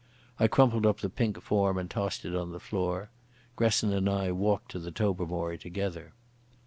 I crumpled up the pink form and tossed it on the floor. Gresson and I walked to the Tobermory together.